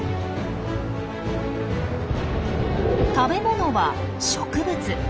食べ物は植物。